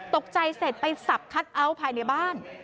ตกใจเสร็จไปสับคัทเอาท์ภายในบ้าน